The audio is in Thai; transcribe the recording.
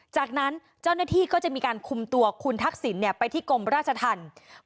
จากนั้นเจ้าหน้าที่ก็จะมีการคุมตัวคุณทักษิณไปที่กรมราชธรรม